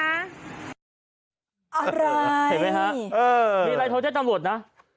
อะไรมีอะไรโทรแจ้งตำรวจนะ